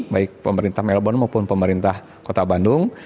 baik pemerintah melbon maupun pemerintah kota bandung